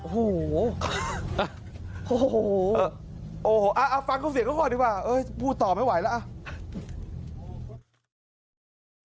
โอ้โหฟังคุณเสียงเขาก่อนดีกว่าพูดต่อไม่ไหวแล้ว